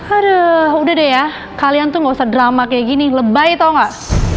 ada udah deh ya kalian tuh nggak drama kayak gini lebay toh enggak